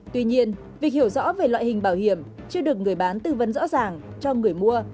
tuy nhiên việc hiểu rõ về loại hình bảo hiểm chưa được người bán tư vấn rõ ràng cho người mua